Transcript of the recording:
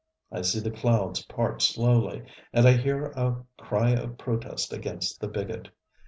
ŌĆØ I see the clouds part slowly, and I hear a cry of protest against the bigot.